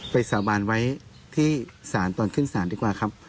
สาบานไว้ที่ศาลตอนขึ้นศาลดีกว่าครับ